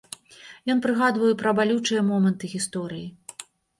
Ён прыгадваў і пра балючыя моманты гісторыі.